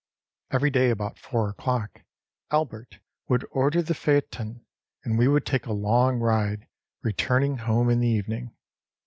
Every day about four oâclock Albert would order the phaeton, and we would take a long ride, returning home in the evening.